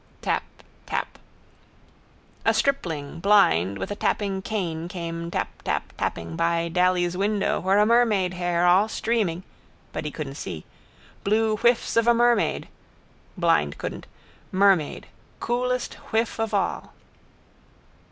Tap. Tap. A stripling, blind, with a tapping cane came taptaptapping by Daly's window where a mermaid hair all streaming (but he couldn't see) blew whiffs of a mermaid (blind couldn't), mermaid, coolest whiff of all.